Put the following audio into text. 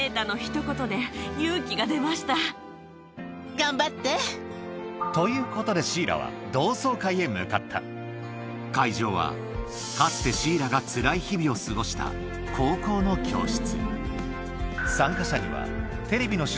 頑張って！ということでシーラは向かった会場はかつてシーラがつらい日々を過ごした高校の教室